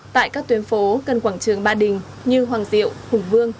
tại các tuyến phố gần quảng trường ba đình như hoàng diệu hùng vương